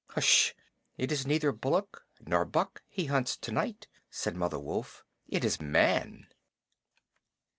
"H'sh. It is neither bullock nor buck he hunts to night," said Mother Wolf. "It is Man."